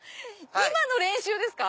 今の練習ですか？